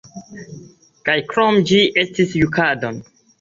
Kaj krome, ĝi estigis jukadon.